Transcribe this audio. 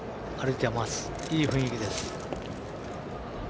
いい雰囲気です。